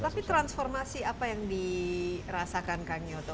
tapi transformasi apa yang dirasakan kang nyoto